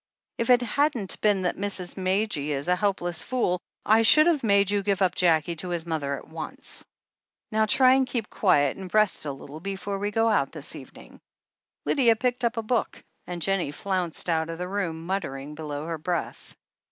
If it hadn't been that Mrs. Madge is a helpless fool, I should have made you give up Jackie to his mother at once. Now 354 THE HEEL OF ACHILLES try and keep quiet and rest a little before we go out this evening." Lydia picked up a book, and Jennie flounced out of the room, muttering below her breath.